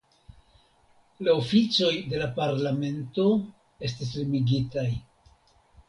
La oficoj de la parlamento estis limigitaj.